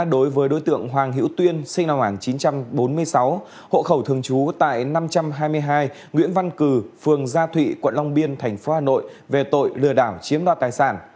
đối với đối tượng hoàng hữu tuyên sinh năm một nghìn chín trăm bốn mươi sáu hộ khẩu thường trú tại năm trăm hai mươi hai nguyễn văn cử phường gia thụy quận long biên tp hà nội về tội lừa đảo chiếm đoạt tài sản